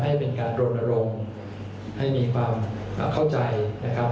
ให้เป็นการรณรงค์ให้มีความเข้าใจนะครับ